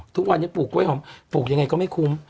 ทุกวันนี้ปลูกกล้วยหอมปลูกยังไงก็ไม่คุ้ม